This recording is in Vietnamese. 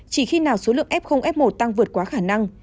chỉ khi nào số lượng f f một tăng vượt quá khả năng